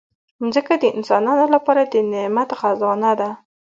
مځکه د انسانانو لپاره د نعمت خزانه ده.